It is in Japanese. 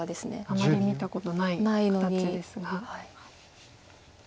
あまり見たことない形ですが。